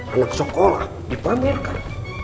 anak sekolah dipamerkan